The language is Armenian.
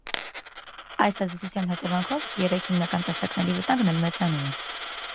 Այս ազդեցության հետևանքով երեք հիմնական տեսակների վտանգն էլ մեծանում է։